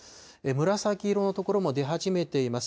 紫色の所も出始めています。